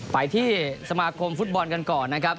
ไปที่สมาคมฟุตบอลกันก่อนนะครับ